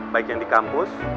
baik yang di kampus